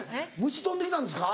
虫飛んできたんですか？